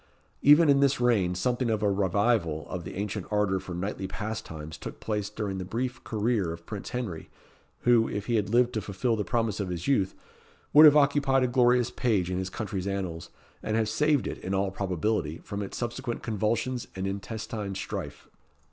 Even in this reign something of a revival of the ancient ardour for knightly pastimes took place during the brief career of Prince Henry, who, if he had lived to fulfil the promise of his youth, would have occupied a glorious page in his country's annals, and have saved it, in all probability, from its subsequent convulsions and intestine strife.